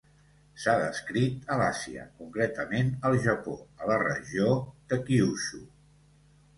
S'ha descrit a l'Àsia concretament al Japó, a la regió de Kyūshū.